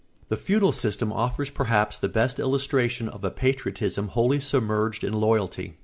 ] The feudal system offers perhaps the best illustration of a patriotism wholly submerged in loyalty.